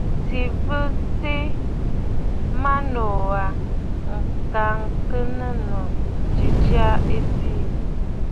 À tɨ̀ mə tɨ bə maa nòò aa, ŋ̀gǎŋyəgə̂nnù ji jya ɨ bɨɨ̀.